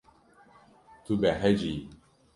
Tu behecî yî.